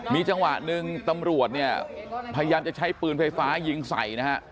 มีจังหวะหนึ่งตำรวจเนี่ยพยายามจะใช้ปืนไฟฟ้ายิงใส่นะฮะ